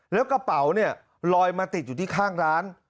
แล้วกระเป๋าเนี่ยลอยมาติดอยู่ที่ข้างร้าน